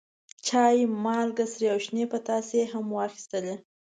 چای، مالګه، سرې او شنې پتاسې هم واخیستلې.